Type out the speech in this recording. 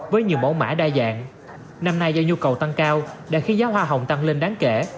với nhiều mẫu mã đa dạng năm nay do nhu cầu tăng cao đã khiến giá hoa hồng tăng lên đáng kể